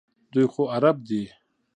دوی خو عرب دي.